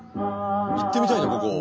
行ってみたいなここ。